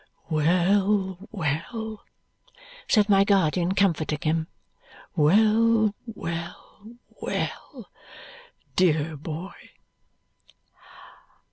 "Well, well," said my guardian, comforting him; "well, well, well, dear boy!"